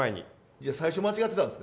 じゃあ最初間違ってたんですね。